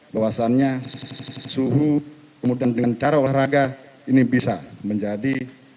bahwasannya suhu kemudian dengan cara olahraga ini bisa menjadi